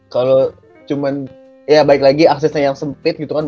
kalau cuma ya baik lagi aksesnya yang sempit gitu kan